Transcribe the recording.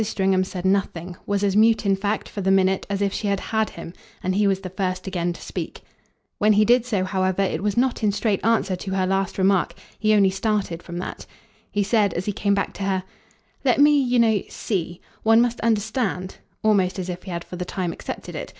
Stringham said nothing, was as mute in fact, for the minute, as if she had "had" him, and he was the first again to speak. When he did so, however, it was not in straight answer to her last remark he only started from that. He said, as he came back to her, "Let me, you know, SEE one must understand," almost as if he had for the time accepted it.